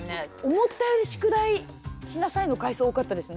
思ったより宿題しなさいの回数多かったですね。